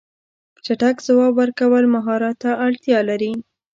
چټک ځواب ورکول مهارت ته اړتیا لري.